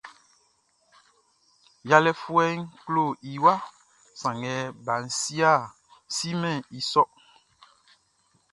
Yalɛfuɛʼn klo i waʼn sanngɛ baʼn simɛn i sôr.